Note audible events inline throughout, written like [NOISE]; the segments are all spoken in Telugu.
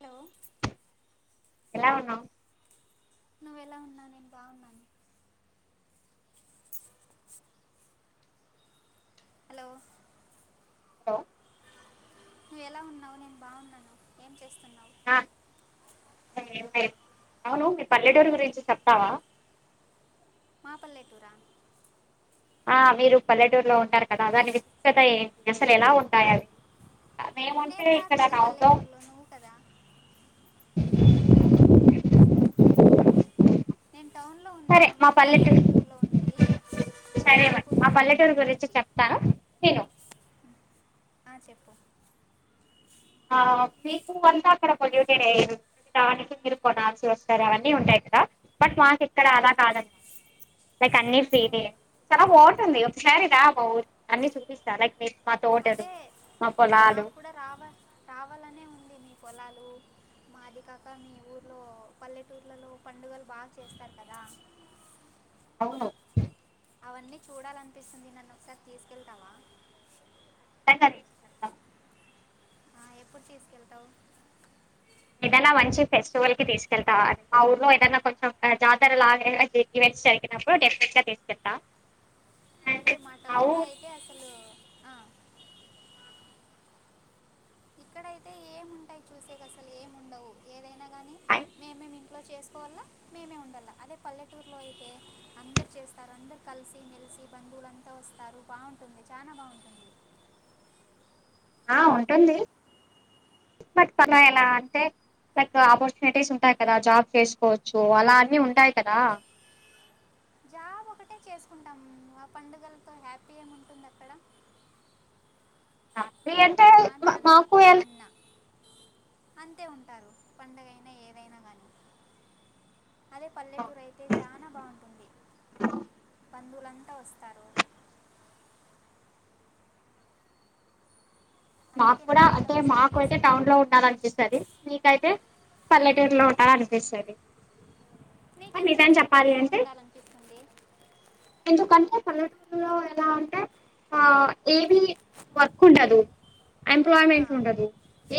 హలో ఎలా ఉన్నావ్ నువ్వ ఎలా ఉన్నావ్ నేను బాగున్నాను హలో హలో నువ్వు ఎలా ఉన్నావు నేను బాగున్నాను ఏం చేస్తున్నా న ఎం లెద్ అవును మీ పల్లెటూరి గురించి చెప్తావా మా పల్లెటూరా ఆ మీరు పల్లెటూరులో ఉంటారు కదా దాని విశిష్టత ఏంటి అసలు ఎలా ఉంటాయి అవి మేమంటే నేను కాదు ఇక్కడ కదా టౌన్ లో పల్లెటూరులో నువ్వు కదా లో ఉన్నా సరే మా నువ్వే కదా పల్లెటూరు పల్లెటూర్ లో ఉన్నది నువ్వే సరే మరి చెప్పు మీ మా పల్లెటూరు గురించి చెప్తాను విను ఆ చెప్పు ఆ మీకు అంతా అక్కడ పొల్యూటెడె దానికి మీరు కొనాల్సి వస్తారు అవన్నీ ఉంటాయి కదా బట్ మాక్ ఇక్కడ ఆ, ఆలా కాదనమాట లైక్ అన్ని ఫ్రీ ఆ. నే చానా బా తుంది ఒకసారి రా మా ఊరిక్ అన్ని చూపిస్తా లైక్ మీర్ మా తోటలు అదే మా పొలాలు నాకు కూడా రావ రావాలనే ఉంది మీ పొలాలు మాది కాక మీ ఊర్లో పల్లెటూర్లలో పండుగలు బాగా చేస్తారు కదా అవును అవన్నీ చూడాలనిపిస్తుంది నన్ను ఒకసారి తీసుకెళ్తావా ఖచ్చితంగా తీసుకెళ్తాం ఆ ఎప్పుడు తీసుకెళ్తావ్ ఏటైనా మంచి ఫెస్టివల్ కి తీసుకెళ్తావ మా ఊర్లో ఏదైనా కొంచెం జాతరలా [UNINTELLIGIBLE] జరిగినప్పుడు డెఫెనెట్ గా తీసుకెళ్తా అండ్ అదే మా టౌన్ లో ఊరు అయితే అసలు ఆ ఇక్కడైతే ఏముంటాయి చూసేకసలు ఏముండవు ఏదైనా గా ఐ- ఇంట్లో చేసుకోవల్ల మెమే ఉండాల అదే పల్లెటూరులో అయితే అందరు చేస్తారు అందరు కలిసి మెలిసి బంధువు లంతా వస్తారు బావుంటుంది చానా బావుంటుంది ఆ ఉంటుంది బట్ పలా ఎలా అంటె బట్ ఆపర్చునిటీస్ ఉంటాయి కదా జాబ్ చేసుకోవచ్చు అలా అన్ని ఉంటాయి కదా జాబ్ ఒకటే చేసుకుంటాం ఆ పండుగలతో హ్యాపీ ఏముంటుంది అక్కడ అది అంటే అమ్మ మా- నాన్న మాకు ఎల్- అన్న అంతే ఉంటారు పండగైనా ఏదైనా గానీ అదే పల్లెటూరైతే చనా బావుంటుంది బందు అందుకే మాక్కుడా నన్ను కూడా అంటే ఒకసారి మాకు అయితే తీసుకెళ్ళు టౌన్ లో ఉండాలనిపిస్తది మీకైతే పల్లెటూరులో ఉంటాలనిపిస్తది కని నీకెందుకు నిజం అసలు చెప్పాలి టౌన్లో అంటే ఉండాలనిపిస్తుంది ఎందుకంటె పల్లెటూరులో ఎలా అంటే ఆ ఏవి వర్క్ ఉండదు ఆ, ఎంప్లాయ్మెంట్ ఉండదు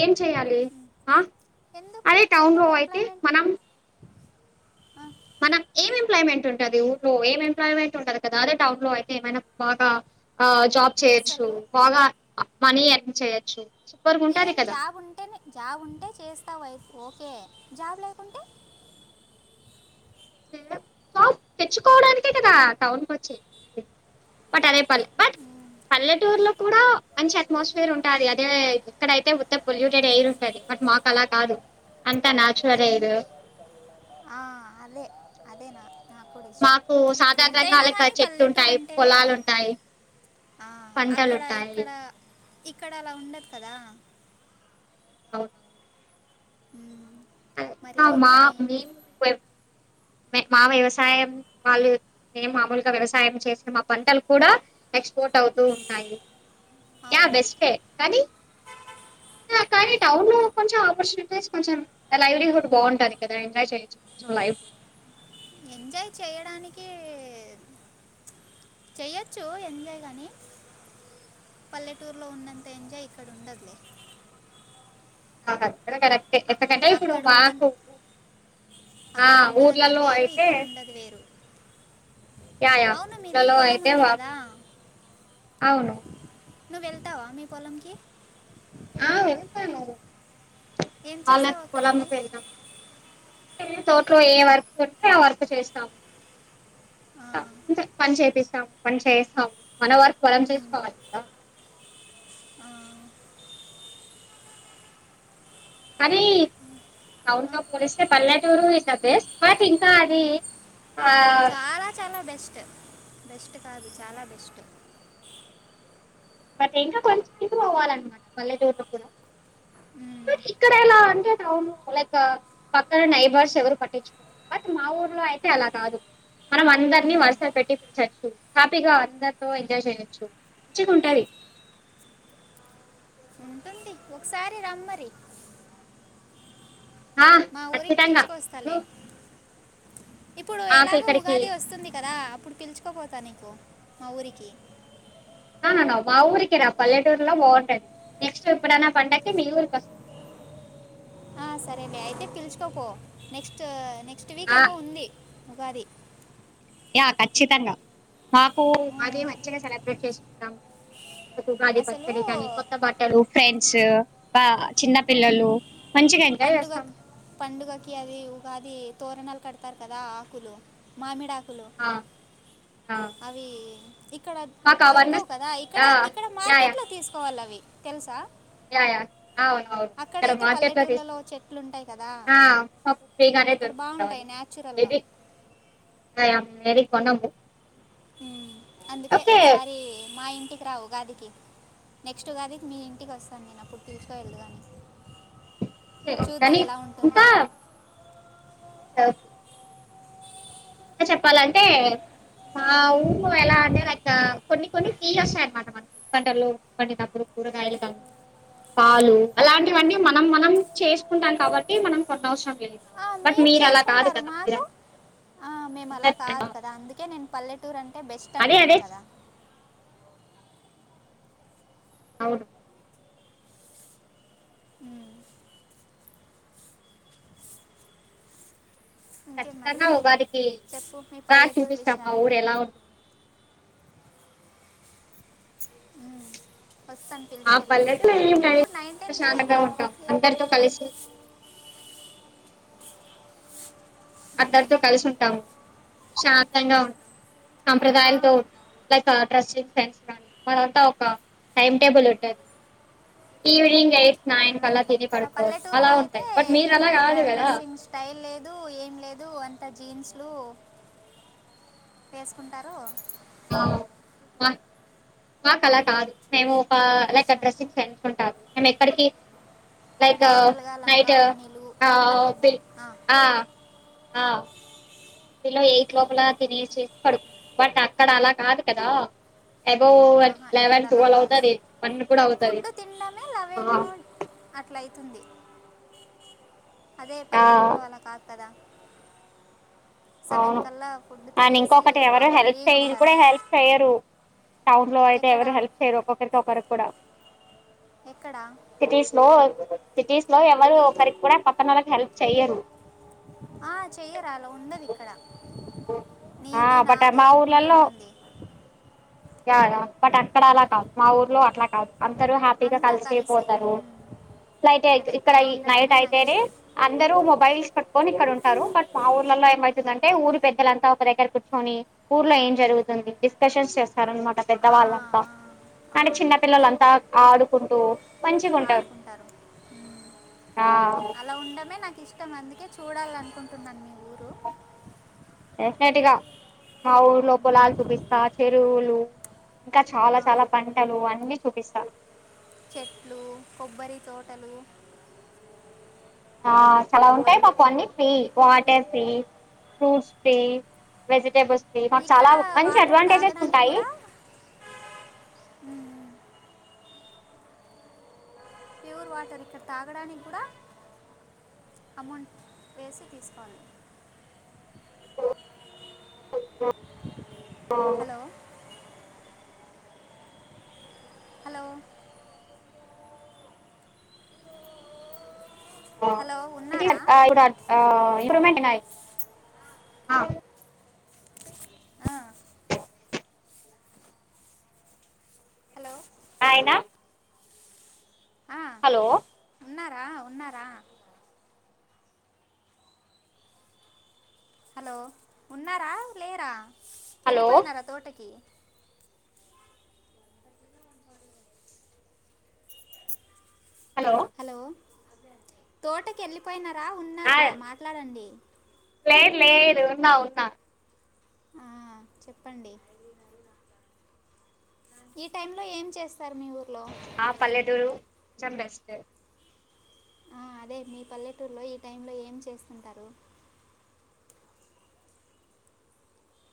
ఏం చెయ్యాలి అ ఎందుక్ ఎందుకు ఎంప్లాయ్మెంటు మనక్ ఏం ఎంప్లాయ్మెంట్ ఉంటది ఊర్లో ఏం ఎంప్లాయ్మెంట్ ఉండదు కదా అదే టౌన్ లో అయితే ఏమైనా బాగా ఆ జాబ్ చేయొచ్చు అసలు బాగా మనీ ఎర్న్ చేయొచ్చు సూపర్గా ఉంటది ఏం కదా జాబ్ ఉంటేనె జాబ్ ఉంటే చేస్తావై ఓకే జాబ్ లేకుంటే జాబ్ తెచ్చుకోవడానికే కదా టౌన్ కొచ్చేది బట్ అదే పని బట్ పల్లెటూరులో కూడా మంచి అట్మాస్ఫియర్ ఉంటాది అదే ఇక్కడైతే ఉత్త పొల్యూటెడ్ ఎయిర్ ఉంటది బట్ మాకు అలా కాదు అంతా నాచ్చురల్ ఎన్ ఎయిర్ ఆ అదె మాకు సాధారణనంగా ఎంతైనా [UNINTELLIGIBLE] కానీ చెట్లు పల్లెటూరు ఉంటాయి అంటే పొలాలు వేరు ఉంటాయి ఆ పంటలు అక్కడ ఉంటాయి. ఇక్కడ ఇక్కడ అలా ఉండదు కదా అవునవును మ్ మా మీ [INAUDIBLE] ప్ మె మా వ్యవసాయం వాళ్ళు మేము మామూలుగా వ్యవసాయం చేసిన మా పంటలు కూడా ఎక్స్పోర్ట్ అవుతూ ఉమ్, ఉంటాయి యా అవును బెస్టే కనీ యా కానీ టౌన్ లో కొంచెం ఆపర్చునిటీస్ కొంచెం లైవ్లీహుడ్ బావుంటది కదా ఎంజాయ్ చేయొచ్చు కొంచెం లైఫ్ ఎంజాయ్ చేయడానికే చెయ్యొచ్చు ఎంజాయ్ గనీ పల్లెటూరులో ఉన్నంత ఎంజాయ్ ఇక్కడ ఉండదులే హ హ అది కూడ కరెక్టే ఎత్తకంటే ఇప్పుడు మాకు ఆ అక్కడున్నదంతా ఊర్లలో వేరు ఇక్కడుండది వేరు ఎహ్ ఎహ్ అవును మీది ఇల్లాలో పొలం అయితే ఉంది కదా అవును నువ్వు వెళ్తావా మీ పొలంకి ఏం చేస్తావు వాళ్ళకి అక్కడ పోలం వెళ్ళి లేదు గా వెళ్లి తోటలో ఏ వర్క్ ఉంటే ఆ వర్క్ చేస్తాము ఆ, అంతే పని చేపిస్తాం పని చేయిస్తాం మన వర్కు మనం ఉమ్, చేసుకోవాలి కదా ఆ అది టౌన్ ఆ, తో పోలిస్తే పల్లెటూరు ఇస్ ద బెస్ట్ బట్ ఇంకా అది ఆ చాలా చాలా బెస్ట్ బెస్ట్ కాదు చాలా బెస్ట్ బట్ ఇంకా కొంచం ఇంప్రూవ్ ఆవాలన్నమాట పల్లెటూర్లో కూడా ఉమ్, ఇక్కడెల అంటే ఆను లైక్ పక్కన నైబర్స్ ఎవరు పట్టించుకో బట్ మా ఊర్లో అయితే అలా కాదు మనం అందరినీ ఉమ్, వరుస పెట్టి చచ్చిచొ హ్యాపీగా అందరితో ఎంజాయ్ చేయొచ్చు మంచిగు ఉంటుంది ఉంటుంది ఒకసారి రమ్మరి ఆ మా ఊరికి ఖచ్చితంగా పిలుచుకు వస్తాలే నువ్వు ఇప్పుడు మాకు ఎలాగో ఇక్కడికి ఉగాది వస్తుంది కదా అప్పుడు పిలుచుకోపోతానే పో మా ఊరికి ఆహా మా ఊరికి రా పల్లెటూరులో బాగుంటుంది నెక్స్ట్ ఎప్పుడైనా పండకి మీ ఊరికి వస్తాం ఆ సరే లే అయితే పిలుచుకోపో నెక్స్ట్ నెక్స్ట్ వీక్ ఆ ఏమో ఉంది ఉగాది ఎహ్ ఖచ్చితంగా మాకు మాది ఉమ్, మంచిగా సెలబ్రేట్ చేసుకుంటాం ఉగాది అసలు పచ్చడి కానీ కొత్త బట్టలు ఫ్రెండ్స్ ఆ చిన్న పిల్లలు మంచిగా ఎంజాయ్ చేస్తాం పండుగక్ పండుగకి అది ఉగాది తోరణాలు కడతారు కదా ఆకులు మామిడక్ కులు ఆ ఆ అవి ఇక్కడ మాకు దొరకవు అవర్నెస్ కదా ఇక్కడ ఆ ఇక్కడ మార్కెట్ లో తీసుకోవాలి అవి తెలుసా ఎహ్ ఎహ్ అవునవును ఇక్కడ మార్ పల్లెటుర్లలో చెట్లు ఉంటాయి కదా మాకు ఫ్రీగానే అక్కడ బాగుంటాయి నాచురల్గా అవేవీ కొనము అందుకే ఓకే ఒకసారి మా ఇంటికి రా ఉగాదికి నెక్స్ట్ ఉగాదికి మీ ఇంటికి వస్తాను నేను అప్పుడు తీసుకువెల్దువు కానీ చూద్దు కానీ ఎలా ఉంటుందో ఇంకా [UNINTELLIGIBLE] ఇకా చెప్పాలంటే మా ఆ, ఊరు ఎలా అంటే లైక్ కొన్ని కొన్ని ఫీల్ వస్తాయన్నమాట మనకి పంటల్లో పండినప్పుడు కూరగాయలు కానీ పాలు అలాంటివన్నీ మనం మనం చేసుకుంటాం కాబట్టి మనం కొన్న అవసరం లేదు ఆ, బట్ మీరు మీర్ అలా కాదు చేసుకుంటారు కదా మాకు ఆ మేము అలా మీరంతా కాదు కదా అందుకే నేను పల్లెటూరు అంటే బెస్ట్ అదే అంటున్నా అదే కదా అవును ఉమ్ ఇంకేం మరి ఖచ్చితంగా ఉగాదికి చెప్పు మీ రా పల్లెటూరు చూపిస్తా మా విషయాలు ఊరు ఎలా ఉంటుంది వస్తాం మా పిలుచుకేళ్ళు పల్లెటూరు ఏం లేదు ఎప్పుడు నైన్ టెన్త్ ప్రశాంతంగా ఉంటాం ఎప్ అందరితో కలిసి అందరితో కలిసి ఉంటాము శాంతంగా ఉంటాము సాంప్రదాయాలతో ఉంటాం లైక్ డ్రెస్సింగ్ సేన్ కానీ మనంతా ఒక టైమ్ టేబుల్ ఉంటంది ఈవినింగ్ అయి నాన్ కాల ఇక్కడ పల్లెటూరు లో అయితే ఒక కాదు కదా డ్రెస్సింగ్ స్టైల్ లేదు ఏం లేదు లేదు అంత జీన్స్లు వేసుకుంటారు అవును మాక్ మాకు అలా కాదు మేము ఒక లైక్ ట్రెడిషనల్ డ్రెస్సింగ్ సెన్స్ ఉంటారు మేము ఎక్కడికి లైక్ ట్రెడిషనల్ గా నైట్ లంగా ఓణిలు ఆ పల్లెటూరు బిల్ ఆ ఆ బిలో ఎయిట్ లోపల తినేసేసి పడుకు బట్ అక్కడ అలా కాదు కదా అబోవ్ ఆహా ఇక్కడ లెవెన్ అలా ట్వీల్వ్ కాదు అవుతది వన్ కూడా అవుతది ఫుడ్ ఆ తుంది అదే ఆ పల్లెటూరులో అలా కాదు కదా సెవెన్ అవును కల్లా ఫుడ్ అండ్ తినేసి ఇంకొకటి ఎవరు బాగా హెల్ప్ ఫ్రీగా చెయ్యరు ఉంటారు కూడా హెల్ప్ చెయ్యరు టౌన్ లో అయితే ఎక్కడ ఎవరు హెల్ప్ చేయరు ఒక్కొక్కరితో ఒకరికి కూడా ఎక్కడ సిటీసులో సిటీసులో ఎవరు సరికి కూడా పక్కనలకి హెల్ప్ చెయ్యరు ఆ చేయరు అలా ఉండది ఇక్కడ అ నీది పాఠక్ నాది మావోర్లలు అనుకుంటుంటుంది పాఠక్ ఈక్కడ అలా కాదు మా ఊర్లో అట్లా కాదు అందరు హ్యాపీగా అంతా కలిసి కలిసేపోతారు ఉమ్. లైట్ అయితే అదే ఇక్కడ అలా నైట్ ఉండడమే నాకు అయితేనే ఇష్టం అందరు మొబైల్స్ ప కొని ఇక్కడ ఉంటారు బట్ మా ఊర్లలో ఏమవుతుందంటే ఊరి పెద్దలంతా ఒక దగ్గర కూర్చొని ఊర్లో ఏం జరుగుతుంది డిస్కషన్స్ చేస్ స్తార్ అనమాట ఆ, పెద్దవాళ్ళంతా ఆ, ఆ, కానీ చిన్నపిల్లలంతా కరెక్టే ఆడుకుంటూ మంచిగా ఉంటారు ఆడుకుంటారు ఆ అది అలా ఉండమే నాకు ఇష్టం అందుకే చూడాలనుకుంటున్నాను మీ ఊరు డెఫినెట్ గా మా ఊరు లొ మ్మ్. పొలాలు చూపిస్తా చెరువులు ఇంకా చాలా ఆ, చాలా పంటలు అన్ని చూపిస్త చెట్లు కొబారితోటలు ఆ చాలా ఉంటాయి మాకు అన్ని free Tuffy fruits free vegetables ఇక్కడ వాటర్ తాగడానికి కూడా ప్యూర్ వాటర్ ఇక్కడ తాగడానికి కూడా అమౌంట్ వేసి తీసుకోవాలి హలో హలో ఆ హలో ఉన్నారా [UNINTELLIGIBLE] అట్ట [UNINTELLIGIBLE] హ ఆ, హలో అయినా ఆ, హలో ఉన్నారా ఉన్నారా హలో ఉన్నారా లేరా హలో ఎళ్ళిపోయినారా తోటకి హలో తోటకి ఎళ్ళిపోయినారా ఉన్నారా మాట్లాడండి లేదు లేదు ఉన్నా ఉన్నా ఆ చెప్పండి ఈ టైమ్ లో ఏం చేస్ ఆ పల్లెటూరు కొంచం డస్ట్ ఆ అదే మీ పల్లెటూర్లో ఈ టైంలో ఏం చేస్తుంటారు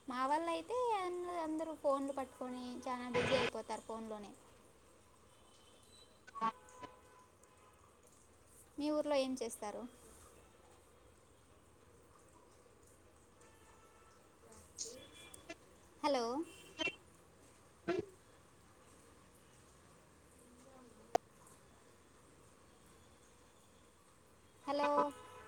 మావాలైతే ఎంలే అందరూ ఫోన్లు పట్టుకొని చాన బిజీ అయిపోతారు ఫోన్లోనే [INAUDIBLE] మీ ఊర్లో ఏం చేస్తారు హలో హలో